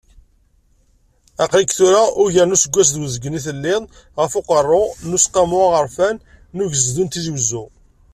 Aql-ik tura, uger n useggas d uzgen i telliḍ ɣef uqerru n Useqqamu Aɣerfan n Ugezdu n Tizi Uzzu.